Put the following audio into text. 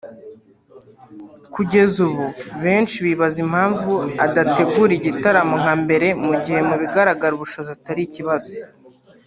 Kugeza ubu benshi bibaza impamvu adategura igitaramo nka mbere mu gihe mu bigaragara ubushobozi atari ikibazo